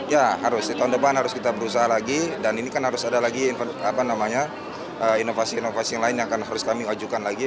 ya harus di tahun depan harus kita berusaha lagi dan ini kan harus ada lagi inovasi inovasi yang lain yang akan harus kami ajukan lagi